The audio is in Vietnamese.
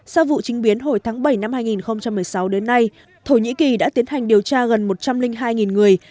sau vụ trình biến hồi tháng bảy năm hai nghìn một mươi sáu đến nay thổ nhĩ kỳ đã tiến hành điều tra gần một trăm linh hai người